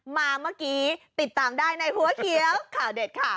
มาเมื่อกี้ติดตามได้ในหัวเขียวข่าวเด็ดค่ะ